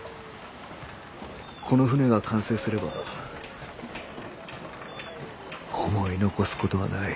この船が完成すれば思い残すことはない。